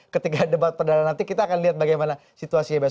ketika debat perdana nanti kita akan lihat bagaimana situasinya besok